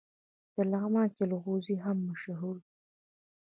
د لغمان جلغوزي هم مشهور دي.